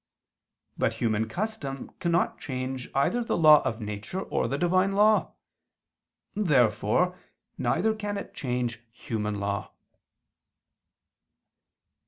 But human custom cannot change either the law of nature or the Divine law. Therefore neither can it change human law.